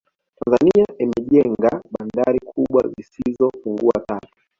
Tanzania imejenga bandari kubwa zisizo pungua tatu